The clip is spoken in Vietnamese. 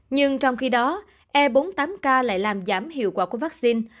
nhưng trong khi đó e bốn mươi tám k lại làm giảm hiệu quả của vaccine